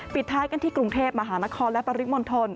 ปิดท้ายกันที่กรุงเทพมหานครและปริมณฑล